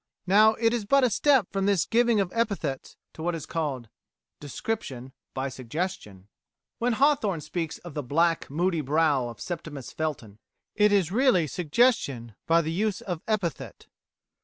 Now it is but a step from this giving of epithets to what is called DESCRIPTION BY SUGGESTION When Hawthorne speaks of the "black, moody brow of Septimus Felton," it is really suggestion by the use of epithet.